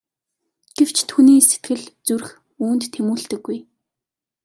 Гэвч түүний сэтгэл зүрх үүнд тэмүүлдэггүй.